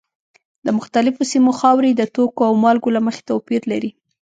د مختلفو سیمو خاورې د توکو او مالګو له مخې توپیر لري.